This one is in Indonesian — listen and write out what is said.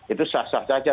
itu sah sah saja